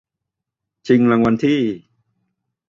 ชิงรางวัลที่